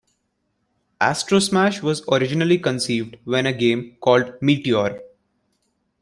"Astrosmash" was originally conceived when a game called "Meteor!